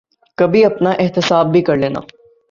کبھی اپنا احتساب بھی کر لینا چاہیے۔